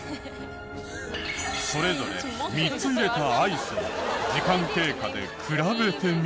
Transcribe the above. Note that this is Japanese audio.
それぞれ３つ入れたアイスを時間経過で比べてみる。